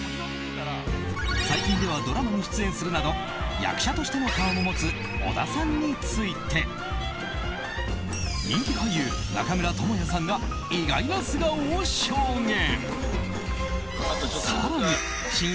最近ではドラマに出演するなど役者としての顔も持つ小田さんについて人気俳優・中村倫也さんが意外な素顔を証言。